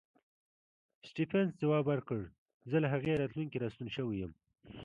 سټېفنس ځواب ورکوي زه له هغې راتلونکې راستون شوی یم.